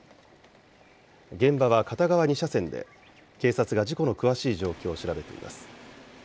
現場は片側２車線で、警察が事故の詳しい状況を調べています。